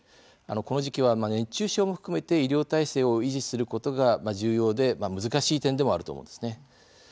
この時期は、熱中症も含めて医療体制を維持することが重要で難しい点でもあると思うんですね。